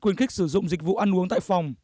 khuyến khích sử dụng dịch vụ ăn uống tại phòng